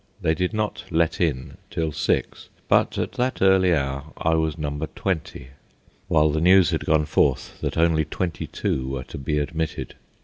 They did not "let in" till six, but at that early hour I was number twenty, while the news had gone forth that only twenty two were to be admitted.